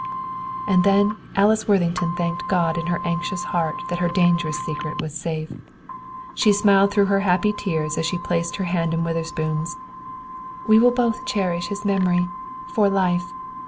And then Alice Worthington thanked God in her anxious heart that her dangerous secret was safe. She smiled through her happy tears as she placed her hand in Witherspoon's. "We will both cherish his memory, for life!